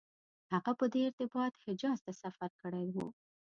هغه په دې ارتباط حجاز ته سفر کړی و.